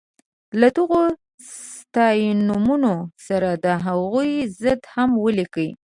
له دغو ستاینومونو سره د هغوی ضد هم ولیکئ.